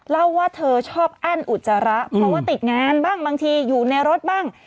เล่าว่าเธอชอบอั้นอุจจาระเพราะว่าติดงานบ้างบางทีอยู่ในรถบ้าง